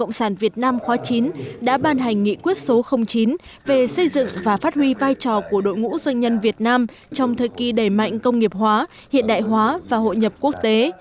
đội ngũ doanh nhân việt nam khóa chín đã ban hành nghị quyết số chín về xây dựng và phát huy vai trò của đội ngũ doanh nhân việt nam trong thời kỳ đẩy mạnh công nghiệp hóa hiện đại hóa và hội nhập quốc tế